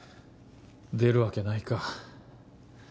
出るわけないか。